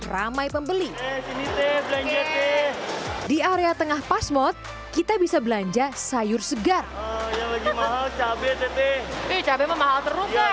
ramai pembeli di area tengah pasmod kita bisa belanja sayur segar mahal terus